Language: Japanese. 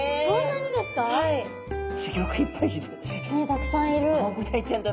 たくさんいる。